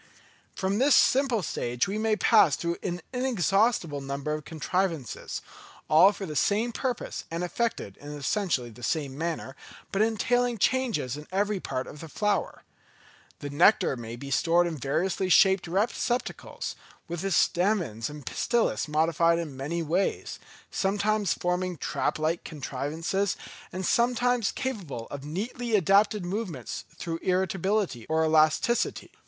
From this simple stage we may pass through an inexhaustible number of contrivances, all for the same purpose and effected in essentially the same manner, but entailing changes in every part of the flower. The nectar may be stored in variously shaped receptacles, with the stamens and pistils modified in many ways, sometimes forming trap like contrivances, and sometimes capable of neatly adapted movements through irritability or elasticity.